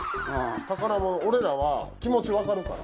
宝物俺らは気持ちわかるから。